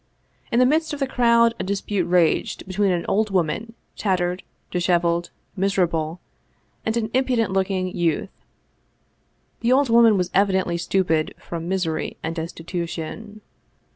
In the midst of the crowd a dispute raged between an old woman, tattered, disheveled, miserable, and an impudent looking youth. The old woman was evidently stupid from misery and des titution.